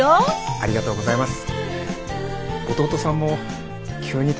ありがとうございます。